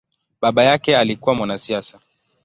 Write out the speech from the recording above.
Baba yake alikua mwanasiasa.